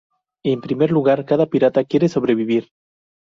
En primer lugar, cada pirata quiere sobrevivir.